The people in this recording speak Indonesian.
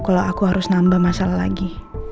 kalau aku harus nambah masalah lagi